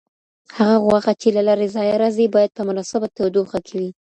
هغه غوښه چې له لرې ځایه راځي، باید په مناسبه تودوخه کې وي.